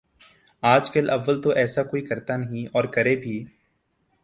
آج کل اول تو ایسا کوئی کرتا نہیں اور کرے بھی